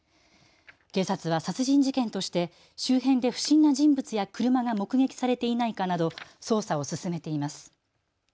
警察は殺人事件として周辺で不審な人物や車が目撃されていないかなど捜査を進めています。